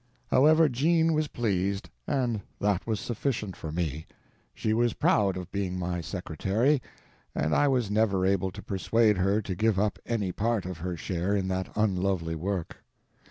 However, Jean was pleased, and that was sufficient for me. She was proud of being my secretary, and I was never able to persuade her to give up any part of her share in that unlovely work.